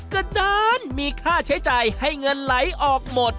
ก็เดินมีค่าใช้จ่ายให้เงินไหลออกหมด